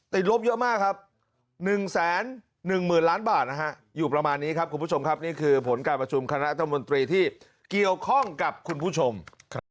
ติดลบเยอะมากครับหนึ่งแสนหนึ่งหมื่นล้านบาทนะฮะ